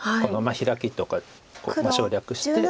ヒラキとかを省略して。